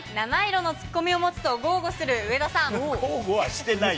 ７色のツッコミを持つと豪語する上田さん。